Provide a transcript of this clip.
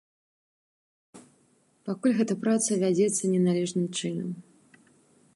Пакуль гэта праца вядзецца не належным чынам.